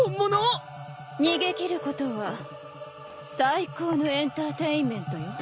逃げ切ることは最高のエンターテインメントよ。